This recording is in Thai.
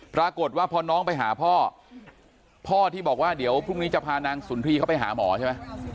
ปรากฏว่าพอน้องไปหาพ่อพ่อที่บอกว่าเดี๋ยวพรุ่งนี้จะพานางสุนทรีย์เขาไปหาหมอใช่ไหม